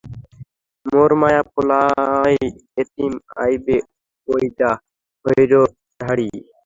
মোর মাইয়া পোলায় এতিম অইবে বউডা হইরো ঢ়াড়ি।